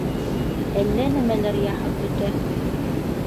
Әллә нәмәләр яһап бөтә.